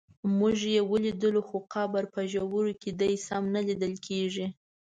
موږ یې ولیدلو خو قبر په ژورو کې دی سم نه لیدل کېږي.